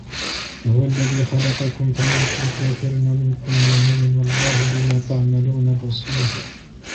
هو الذي خلقكم فمنكم كافر ومنكم مؤمن والله بما تعملون بصير